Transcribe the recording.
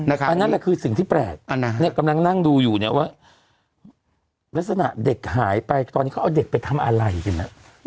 อันนั้นแหละคือสิ่งที่แปลกกำลังนั่งดูอยู่เนี่ยว่าลักษณะเด็กหายไปตอนนี้เขาเอาเด็กไปทำอะไรกัน